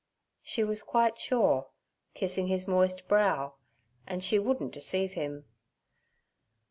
She was quite sure, kissing his moist brow, and she wouldn't deceive him.